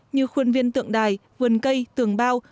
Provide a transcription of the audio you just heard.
như khuôn viên tượng đài vườn cây tường bao